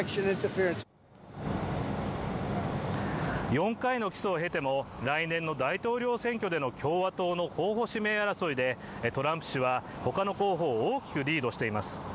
４回の起訴を経ても、来年の大統領選挙での共和党の候補指名争いでトランプ氏は他の候補を大きくリードしています。